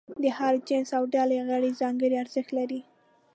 د هر جنس او ډلې غړي ځانګړي ارزښت لري.